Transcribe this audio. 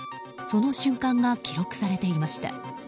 その瞬間が記録されていました。